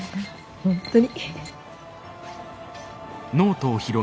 本当に。